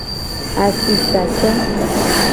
Asisato.